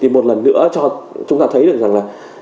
một lần nữa cho chúng ta thấy được rằng là